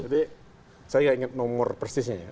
jadi saya ingat nomor persisnya ya